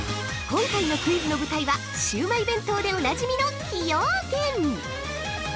◆今回のクイズの舞台はシウマイ弁当でおなじみの「崎陽軒」